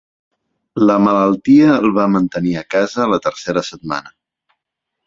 La malaltia el va mantenir a casa la tercera setmana.